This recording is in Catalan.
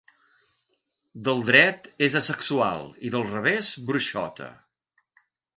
Del dret és asexual i del revés bruixota.